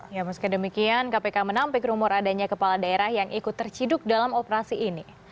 ya meski demikian kpk menampik rumor adanya kepala daerah yang ikut terciduk dalam operasi ini